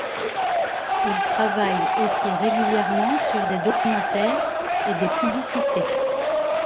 Il travaille aussi régulièrement sur des documentaires et des publicités.